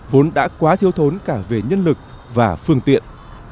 vốn đã quá thiếu thốn cả về nhân lực và phương tiện